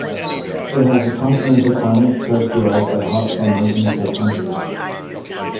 It has a continental climate characterised by hot summers and cold winters.